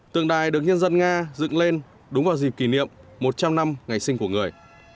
tượng đài được nhân dân nga dựng lên đúng vào dịp kỷ niệm một trăm linh năm ngày sinh của người